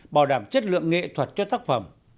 bảo đảm chất lượng nghệ thuật cho tác phẩm